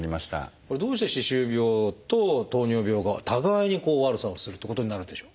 どうして歯周病と糖尿病が互いに悪さをするってことになるんでしょう？